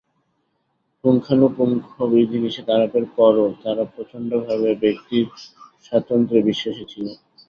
পুঙ্খানুপুঙ্খ বিধিনিষেধ আরোপের পরও তারা প্রচণ্ডভাবে ব্যক্তিস্বাতন্ত্র্যে বিশ্বাসী ছিল।